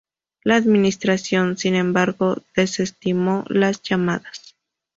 La administración, sin embargo, desestimó las llamadas.